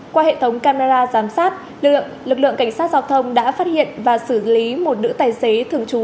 qua hệ thống camera giám sát lực lượng cảnh sát giao thông đã phát hiện và xử lý một nữ tài xế thường trú